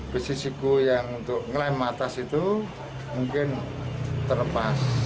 besi siku yang untuk ngelahin matas itu mungkin terlepas